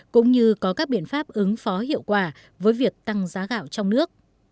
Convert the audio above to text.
cũng như có các biện pháp ứng phó hiệu quả với việc tăng giá gạo trong nước